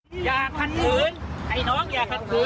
ผมช่วยคุณแล้วนะ